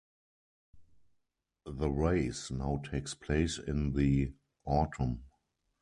The race now takes place in the Autumn.